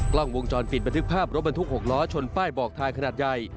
กล้องวงจรปิดบันทึกภาพรถบรรทุก๖ล้อชนป้ายบอกทางขนาดใหญ่